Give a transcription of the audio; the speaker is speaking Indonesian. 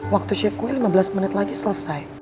waktu shift gue lima belas menit lagi selesai